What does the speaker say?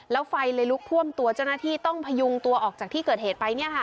แล้วไฟเลยลุกท่วมตัวเจ้าหน้าที่ต้องพยุงตัวออกจากที่เกิดเหตุไป